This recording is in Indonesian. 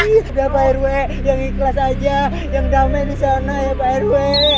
udah pak rw yang ikhlas aja yang damai disana ya pak rw